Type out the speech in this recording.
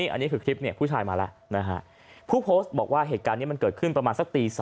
อันนี้คือคลิปเนี่ยผู้ชายมาแล้วนะฮะผู้โพสต์บอกว่าเหตุการณ์นี้มันเกิดขึ้นประมาณสักตี๒